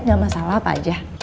gak masalah apa aja